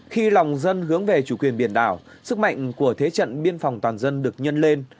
khi lòng dân hướng về chủ quyền biển đảo sức mạnh của thế trận biên phòng toàn dân được nhân lên